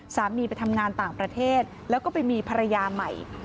สามีไปทำงานต่างประเทศแล้วก็ไปมีภรรยาใหม่